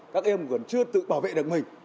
các em còn chưa tự bảo vệ được mình